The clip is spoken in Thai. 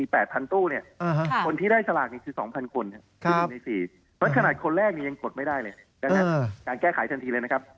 เพราะฉะนั้นคนแรกเนี่ยยังกดไม่ได้เลยการแก้ขายทันทีเลยนะครับ